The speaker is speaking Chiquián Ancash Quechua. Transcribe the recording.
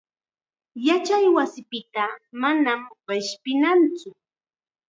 Yachaywasipitaqa manam qishpinatsu.